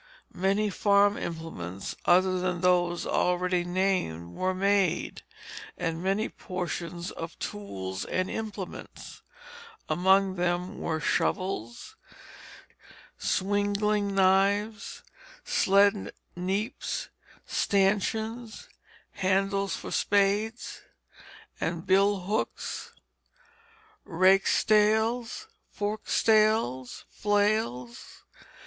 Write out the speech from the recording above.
Many farm implements other than those already named were made, and many portions of tools and implements; among them were shovels, swingling knives, sled neaps, stanchions, handles for spades and bill hooks, rake stales, fork stales, flails.